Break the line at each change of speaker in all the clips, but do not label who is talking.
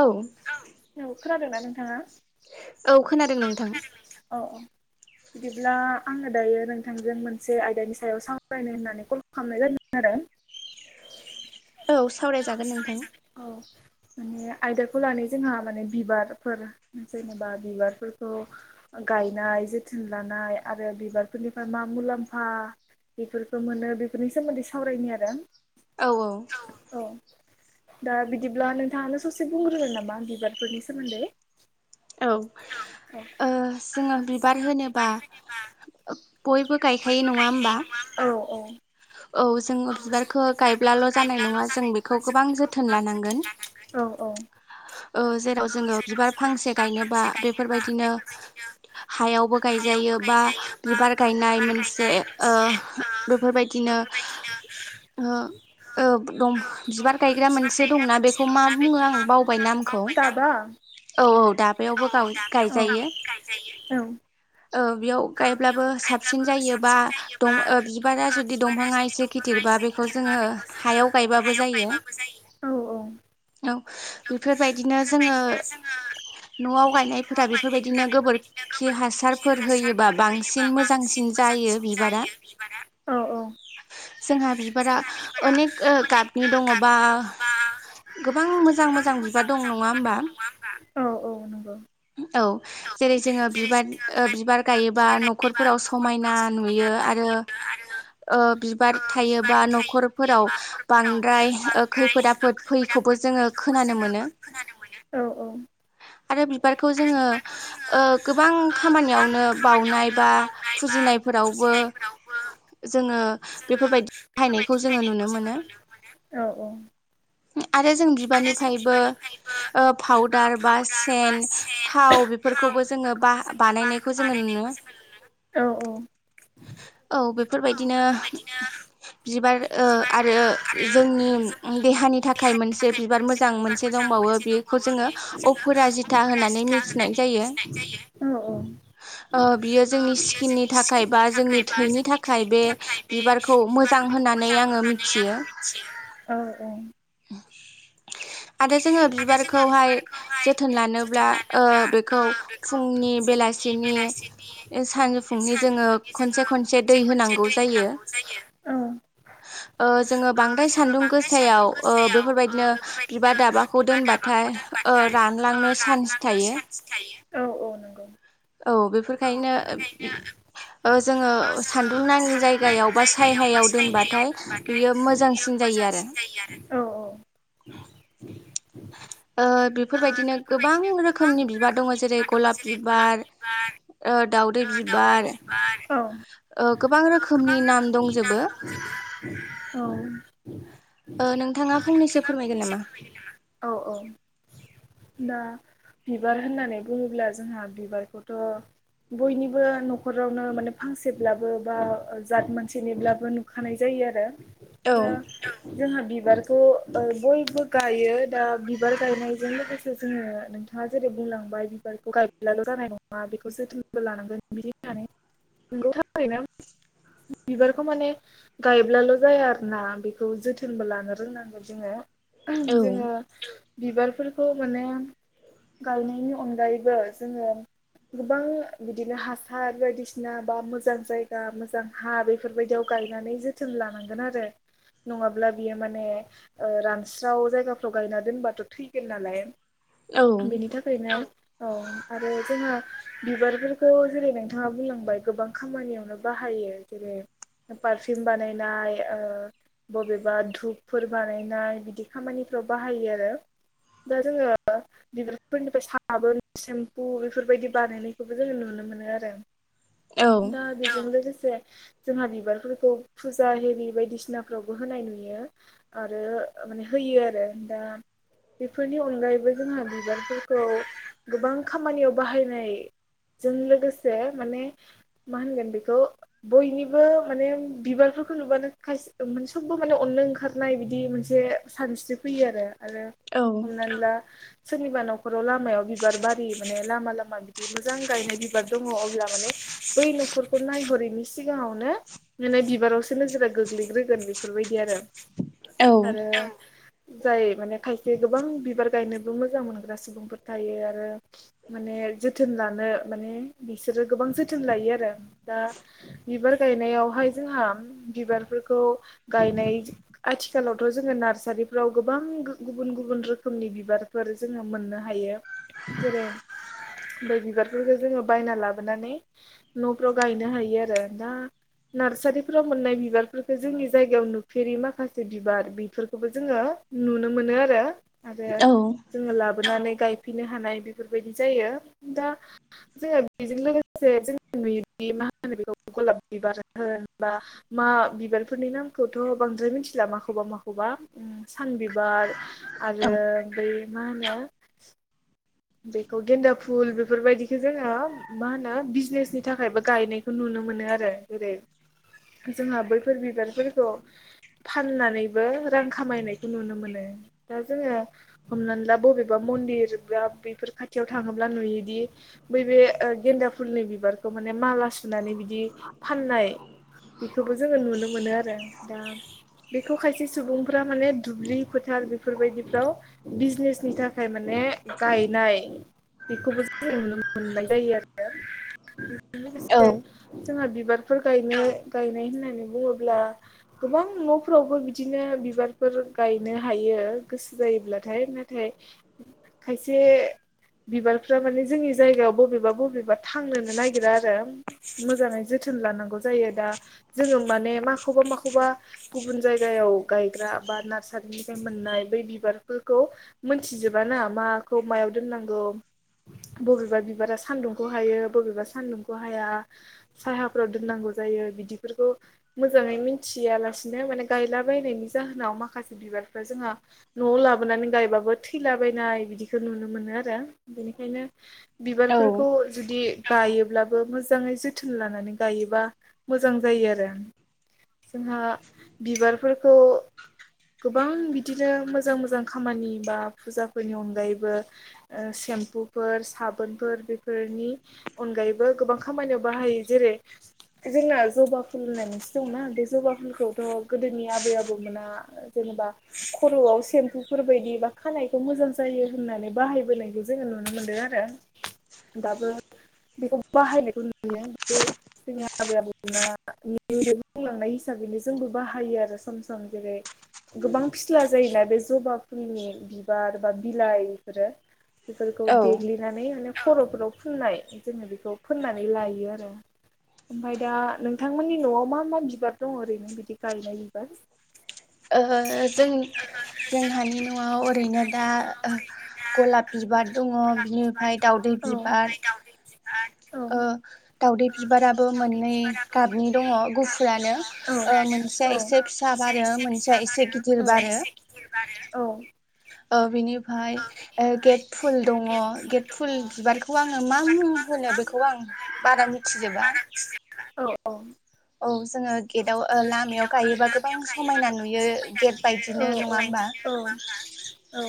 औ।
औ खोनादोंना नोंथाङा?
औ खोनादों नोंथां।
औ-औ। बिदिब्ला आङो दायो नोंथांजों मोनसे आयदानि सायाव सावरायनो होननानै कल खालामनाय जादों आरो। [unintelligible]
औ सावरायजागोन नोंथां।
औ माने आयदाखौ लानि जोंहा माने बिबारफोर जेनेबा बिबारफोरखौ गायनाय। जोथोन लानाय आरो बिबारफोरनिफ्राय मा मुलाम्फा। बेफोरखौ मोनो बेफोरनि सोमोन्दै सावरायनो आरो।
औ-औ।
औ दा बिदिब्ला नोंथाङानो ससे बुंग्रोगोन नामा बिबारफोरनि सोमोन्दै।
औ
औ
ओ जोङो बिबार होनोबा बयबो। गायखायो नङा होमबा?
औ
औ जोङो बिबारखो गायब्लाल' जानाय नङा जों बेखौ गोबां जोथोन लानांगोन।
[unintelligible]
औ जेराव जोङो बिबार फांसे गाय। एबा बेफोरबायदिनो हायावबो गायजायो बा बिबार गायनाय मोनसे। जे ओ बेफोरबायदिनो। ओ। ओब दं बिबार गायग्रा मोनसे दंना बेखौ मा बुङो आं बावबाय नामखौ।
टाबा
औ-औ दाबायावबो गाव
औ
गायजायो।
औ
ओ बेयाव गायब्लाबो साबसिन जायो बा दं ओ बिबारा जुदि दंफाङा एसे गिदिरबा। दा बेखौ जोङो हायाव गायबाबो जायो।
औ
औ बेफोरबायदिनो जोङो। न'आव गायनायफोरा बेफोरबायदिनो गोबोरखि हासारफोर होयो। बा बांसिन मोजांसिन जायो बिबारा।
औ औ
जोंहा बिबारा अनेक गाबनि दङ'बा। गोबां मोजां-मोजां बिबार दं नङा होमबा?
ओ नंगौ।
जेरै-जोङो बिबार ओ बिबार गायोबा न'खरफोराव समायना नुयो आरो। ओ बिबार थायोबा न'खरफोराव बांद्राय खैफोद-आफोद फैख। खौबो जोङो खोनानो मोनो।
औ [inaudible]
आरो बिबारखौ जोङो। ओ गोबां खामानियावनो बाउनाय बा फुजिनायफोरावबो। जोङो बेफोरबायदि बाहायनायखौ जोङो नुनो मोनो।
औ
आरो जों बिबारनिफ्रायबो ओ फावदार बा सेन, थाव। थाव बेफोरखौबो जों बा-बानायनायखौ जोङो नुनो।
औ
औ बेफोरबायदिनो। बिबार ओ आरो जोंनि देहानि थाखाय मोनसे बिबार मोजां मोनसे दं बावो बेखौ जोङो अफराजिथा होननानै
था
मिथिनाय
होनानै
जायो।
मिथिनाय जायो औ औ
ओ बियो जोंनि स्किननि थाखाय बा जोंनि थैनि थाखाय बे बिबारखौ मोजां होननानै आङो मिथियो। आरो जोङो बिबारखौहाय जोथोन लानोब्ला ओ बेखौ फुंनि बेलासिनि सानजुफु नि जोङो खनसे खनसे दै होनांगौ जायो।
औ
ओ जोंङो बांद्राय सान्दुं गोसायाव ओ बेफोरबायदिनो बिबार दाबाखौ दोनबाथाय ओ
ओ
रानलांनो चान्स
रानलांनो
थायो
सान्स थायो, औ औ नोंगौ
औ बेफोरखायनो ओ बि ओ जोंङो सान्दुं नाङि जायगायाव बा सायहायाव दोनबाथाय बियो मोजांसिन जायो आरो
मोजांसिन जायो, आरो औ औ
ओ बेफोरबायदिनो गोबां रोखोमनि बिबार दंङ' जेरै गलाब बिबार ओ दाउदै बिबार ओ गोबां रोखोमनि नाम दंजोबो। ओ नोंथांङा फंनैसो फोरमायगोन नामा?
औ औ दा बिबार होननानै बुंङोब्ला जोंहा बिबारखौथ' बयनिबो न'खरावनो माने फांसेब्लाबो बा जात मानसेनिब्लाबो नुखानाय जायो आरो। दा औ जोंहा बिबारखौ ओ बयबो गायो दा बिबार गायनायजों लोगोसे जोंङो नोंथांङा जेरै बुंलांबाय बिबारखौ गायब्लाल' जानाय नंङा बेखौ जोथोनबो लांगोन बिदि होननानै नोंगौ थारैनो। बिबारखौ माने गायब्लाल' जाया आरोना बिखौ जोथोनबो लानो रोंनांगोन जोंङो। जोंङो बिबारफोरखौ माने गायनायनि अनगायैबो जोंङो गोबां बिदिनो हासार बायदिसिना बा मोजां जायगा मोजां हा बेफोरबायदियाव गा गायनानै जोथोन लानांगोन आरो। नंङाब्ला बियो माने ओ रानस्राव जायगाफ्राव गायना दोनबाथ' थैगोन नालाय।
औ
बेनि थाखायनो औ आरो जोंहा बिबारफोरख थ' बेखौ जेरै नोंथांङा बुंलांबाय गोबां खामानियावनो बाहायो जेरै पारफिउम बानायनाय ओ बबेबा धुपफोर बानायनाय बिदि खामानि फोराव बाहायो आरो। दा जोंङो बिबारफोरनिफ्राय साबोन, सेम्फु बेफोरबायदि बानायनायखौबो जोंङो नुनो मोनो। आरो दा औ बेजों लोगोसेनो से जोंहा बिबारफोरखौ फुजा हेरि बायदिसिनाफ्रावबो होनाय नुयो, आरो माने होयो आरो दा बेफोरनि अनगायैबो जोंहा बिबारफोरखौ गोबां खामानियाव बाहायनाय जों लोगोसे माने मा होनगोन बेखौ बयनिबो माने बिबारफोर फोरखौ नुबानो खायसे स'बबो माने अननो ओंखारनाय बिदि मोनसे सानस्रि फैयो आरो। आरो हमनानै ला सोरनिबा न'खराव लामायाव बिबार बारि माने लामा लामा बिदि मोजां गायनाय बिबार दंङ अब्ला माने बै न'खरखौ नायहरैनि सिगाङावनो माने बिबारावसो नोजोरा गोग्लैग्रोगोन बेफोरबायदि दि आरो।
औ
आरो जाय माने खायसे गोबां बिबार गायनोबो मोजां मोनग्रा सुबुंफोर थायो, आरो माने जोथोन लानो माने बिसोरो गोबां जोथोन लायो आरो दा बिबार गायनायावहाय जोंहा बिबारफोरखौ गायनाय आथिखालावथ' जोंङो नारसारिफोराव गोबां गुबुन गुबुन रोखोमनि बिबारफोर जोंङो मोननो हायो। जेरै बै बिबार फोरखौ जोंङो बायना लाबोनानै न'फ्राव गायनो हायो आरो ना नारसारिफोराव मोननाय बिबारफोरखौ जोंनि जायगायाव नुफेरि माखासे बिबार बेफोरखौबो जोंङो नु नो मोनो आरो आरो
औ
जोंङो लाबोनानै गायफिननो हानाय बेफोरबायदि जायो दा जोंङो बेजों लोगोसे जों नुयो बे मा होनो बेखौ गलाब बिबार हो बा मा बिबारफोरनि नामखौथ' बांद्राय मिथिला दा माखौबा माखौबा उम सानबिबार आरो
औ
बै मा होनो बेखौ गेन्दा फुल बेफोरबायदिखौ जोंङो मा होनो बिजनेसनि थाखायबो गायनायखौ नुनो मोनो आरो जेरै जोंहा बैफोर बिबारफोरखौ फाननानैबो रां खामायनायखौ नुनो मोनो। दा जोङो हमनानै ला बबेबा मन्दिरब्राब बेफोर खाथियाव थाङोब्ला नुयोदि बै बे गेन्दा फुलनि बिबारखौ माने माला सुनानै बिदि फाननाय बेखौबो जोङो नुनो मोनो आरो दा बेखौ खायसे सुबुंफ्रा माने दुब्लि फो थार बेफोरबायदिफ्राव बिजनेसनि थाखाय माने गायनाय बेखौबो जों नुनो मोननाय जायो आरो
औ
लोगोसे जोंहा बि बिबारफोर गायनो गायनाय होननानै बुङोब्ला गोबां न'फोरावबो बिदिनो बिबार फोर गायनो हायो गोसो जायोब्लाथाय नाथाय खायसे बिबारफ्रा माने जोंनि जायगायाव बबेबा बबेबा थांनोनो नागिरा आरो मोजाङै जो थोन लानांगौ जायो दा जोङो माने माखौबा माखौबा गुबुन जायगायाव गायग्रा बा नार्सारि निफ्राय मोननाय बै बि बारफोरखौ मोनथिजोबा ना माखौ मायाव दोननांगौ बबेबा बिबारा सान्दुंखौ हायो बबेबा सान्दुंखौ हाया साहाफोराव दोननांगौ जायो। होयो बिदिफोरखौ मोजाङै मिथिया बालासिनो बनायनि जाहोनाव माखासे बिबार जोंहा न'आव लाबोनानै गायबाबो थैलाबायनाय बिदिखौ नुनो मोनो आरो बेनिखायनो
औ
बिबारफोरखौ जुदि गायोब्लाबो मोजाङै जोथोन लानानै गायोबा मोजां जायो आरो जोंहा बिबारफोरखौ गोबां बिदिनो मोजां मोजां खामानि बा फुजाफोरनि अनगायैबो ओ से म्फुफोर, साबोनफोर बेफोरनि अनगायैबो गोबां खामानियाव बाहायो जेरै जोंना जबा फुल होननाय मोनसे दङना बे जबा फुलखौथ' गोदोनि आबै आबौमोना जेनेबा खर'आव सेम्पुफोर बायदि बा खानायखौ मोजां जायो होननानै बाहायबोनाय जोङो नुनो मोनदों आरो दाबो बेखौ बाहायनायखौ नुयो जोंनि आबै आबौमोना बुंलांनाय हिसाबै बेनो जोंबो बाहायो आरो सम सम जेरै गोबां फिस्ला जायोना बे जबा फुलनि बिबार बा बिलाइफोरो बेफोरखौ
औ ओ
देग्लिनानै माने खर'फोराव फुननाय जोङो बेखौ फोननानै लायो आरो ओमफाय दा नोंथांमोननि न'आव मा मा बिबार दं ओरैनो बिदि गायनाय बिबार
ओ जों जोंहानि न'आव ओरैनो दा गलाब बिबार दङ बिनिफ्राय दावदै
औ
बिबार
औ
ओ दावउदै बिबाराबो मोननै गाबनि दङ गुफुरानो ओ मोन से एसे फिसा बारो मोनसेया
फिसा बारो
एसे
औ
गिदिर
मोनसेया इसे गिदिर बारो।
औ बिनिफाय गेट फुल दङ गेट फुल बिबारखौ आङो मा मुं होनो बेखौ आं बारा मिथिजोबा
औ
औ जोङो गेटआव ओ लामायाव गायोबा गोबां समायना नुयो गेट बायदिनो नङा होमबा
औ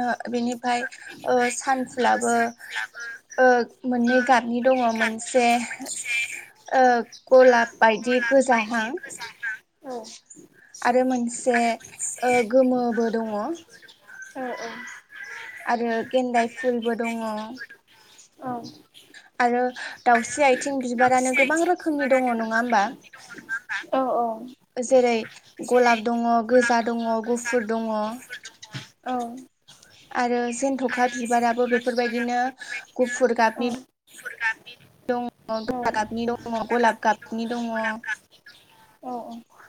ओ बिनिफाय ओ सान फुलाबो ओ मोननै गाबनि दङ मोनसे ओ गलाब बाय बिदि गोजाहां आरो मोनसे गोमोबो दङ।। आरो गेन्दाय फुलबो दङ।
औ
आरो दाउस्रि आथिं बिबारानो गोबां रोखोमनि दङ नङा होमबा।
औ औ
जेरै गलाब दङ गोजा दङ गुफुर दङ।
औ
आरो जेनथ'खा बिबाराबो बेफोरबायदिनो गुफुर गाबनि
गुफुर गाब
द गोजा दं गलाब गाबनि दं।
औ औ।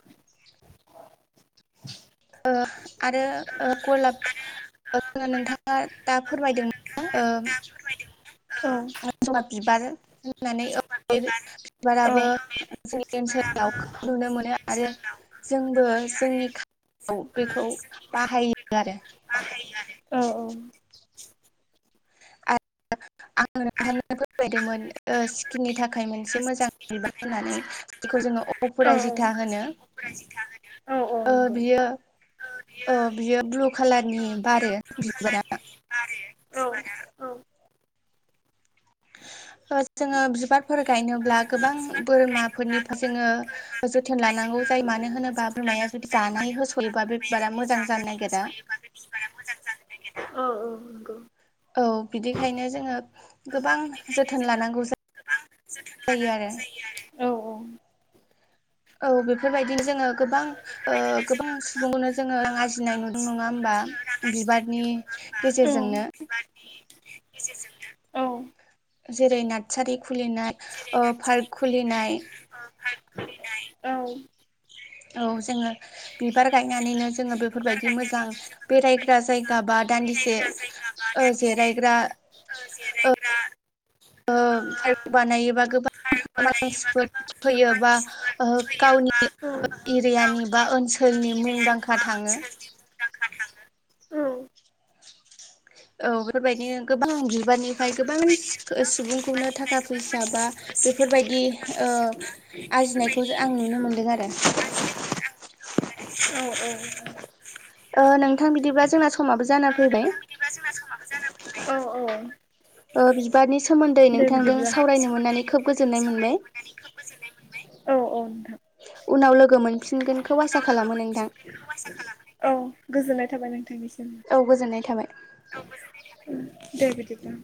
ओ‌ आरो ओ गलाब। ओ नोंथाङा दा फोरमायदोंमोन ओ। ज'बा बिबार। होननानै बिबाराबो जोंनि ओनसोलाव नुनो मोनो आरो। जोंबो जोंनि बेखौ बाहायो आरो।
[inaudible]
आरो
आ
फोरमायदोंमोन सिकिननि थाखाय मोनसे मोजां बिबार होननानै बेखौ जोङो अप'राइ जिथा होनो।
रजि था होनो।
ओ बियो औ बियो ब्लु खालारनि बारो बिबारा।
आरो औ आदा औ।
ओ जों ओ बिबारफोर गायनोब्ला गोबां बोरमाफोरनि जोङो जोथोन लानांगौ जायो। मानो होनोबा बोरमाया जुदि जानाय होस'योबा बे बिबारा मोजां जानो नागिरा।
औ औ नंगौ।
औ बिदिखायनो जोङो गोबां जोथोन लानांगौ जायो आरो।
औ औ।
औ बेफोरबायदिनो जोङो गोबां गोबां सुबुंखौनो जोङो आरजिनाय नुदों नङा होमबा। ओ बिबारनि गेजेरजोंनो।
औ औ
जेरै नार्सारि खुलिनाय पार्क खुलिनाय। औ जोङो बिबार गायनानैनो जोङो बेफोरबायदि मोजां बेरायग्रा जायगा बा दान्दिसे जिरायग्रा।
औ जेरायग्रा‌
ओ पार्क बानायोबा गोबां मानसिफोर फैयोबा गावनि एरियानि बा ओनसोलनि मुंदांखा थाङो औ बेफोरबायदिनो गोबां बिबारनिफ्राय गोबां सुबुं खौनो थाखा फैसा बा बेफोरबायदि ओ आरजिनायखौ आं नुनो मोनदों आरो।
औ औ।
ओ नोंथां बिदिब्ला जोंना समाबो जाना फैबाय।
औ औ।
ओ बिबारनि सोमोन्दै
दे
नोंथांजों
बिदिब्ला औ
सावरायनो मोननानै खोब गोजोननाय मोनबाय।
औ नोंथां
उनाव लोगो मोनफिनगोनखौ आसा खालामो नोंथां।
गोजोन्नाय थाबाय नोंथांनिसिम।
औ गोजोननाय थाबाय।
दे बिदिब्ला।